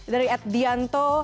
dari at dianto